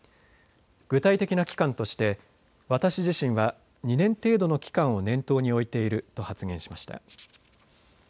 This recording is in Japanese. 具体的な期間として私自身は２年程度の期間を念頭に置いていると発言しました。